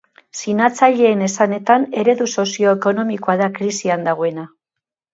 Sinatzaileen esanetan, eredu sozio-ekonomikoa da krisian dagoena.